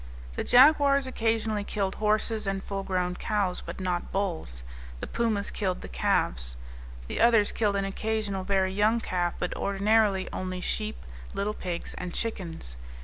The jaguars occasionally killed horses and full grown cows, but not bulls. The pumas killed the calves. The others killed an occasional very young calf, but ordinarily only sheep, little pigs, and chickens.